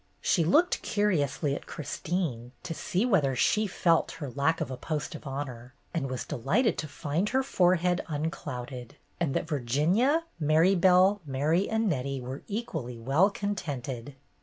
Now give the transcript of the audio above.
She looked curi ously at Christine, to see whether she felt her lack of a post of honor, and was delighted to find her forehead unclouded, and that Virginia, Marybelle, Mary, and Nettie were equally well contented.